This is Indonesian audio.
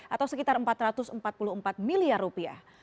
atau sekitar empat ratus empat puluh empat miliar rupiah